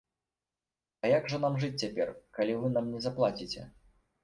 А як жа нам жыць цяпер, калі вы нам не заплаціце?